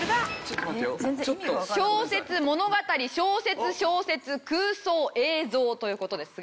「小説」「物語」「小説」「小説」「空想」「映像」という事ですが。